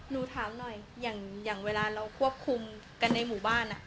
หนูถามหน่อยอย่างเวลาเราควบคุมกันในหมู่บ้าน